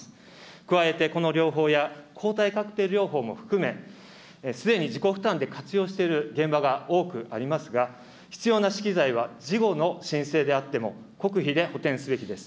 加えてこの療法や、抗体カクテル療法も含め、すでに自己負担で活用している現場が多くありますが、必要な資機材は事後の申請であっても国費で補填すべきです。